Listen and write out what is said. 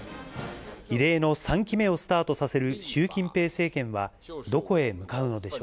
異例の３期目をスタートさせる習近平政権は、どこへ向かうのでし